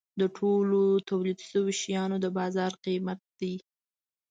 د ټولو تولید شوو شیانو د بازار قیمت دی.